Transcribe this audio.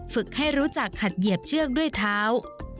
ฝึกให้รู้จักขัดเหยียบเชือกด้วยเท้า